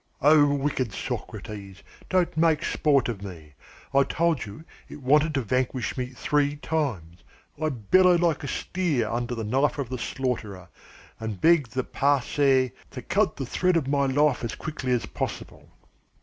"Oh, wicked Socrates, don't make sport of me. I told you it wanted to vanquish me three times. I bellowed like a steer under the knife of the slaughterer, and begged the Parcæ to cut the thread of my life as quickly as possible."